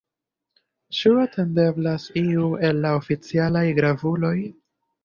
Ĉu atendeblas iu el la oficialaj gravuloj?